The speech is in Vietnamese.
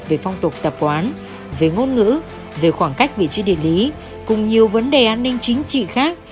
về phong tục tập quán về ngôn ngữ về khoảng cách vị trí địa lý cùng nhiều vấn đề an ninh chính trị khác